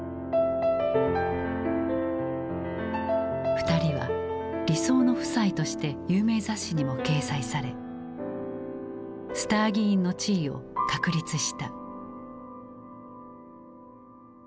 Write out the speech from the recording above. ２人は理想の夫妻として有名雑誌にも掲載されスター議員の地位を確立した。